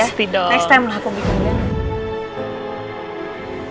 pasti dong next time lah aku bikin